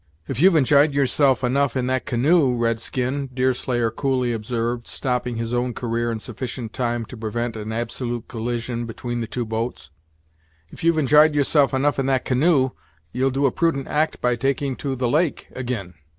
"If you've enj'yed yourself enough in that canoe, red skin," Deerslayer coolly observed, stopping his own career in sufficient time to prevent an absolute collision between the two boats, "if you've enj'yed yourself enough in that canoe, you'll do a prudent act by taking to the lake ag'in.